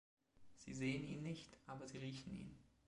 Sie sehen ihn nicht, aber sie riechen ihn.